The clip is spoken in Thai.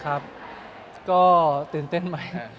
ครับก็ตื่นเต้นไหม